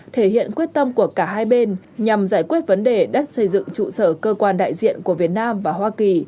thể hiện quyết tâm của cả hai bên nhằm giải quyết vấn đề đất xây dựng trụ sở cơ quan đại diện của việt nam và hoa kỳ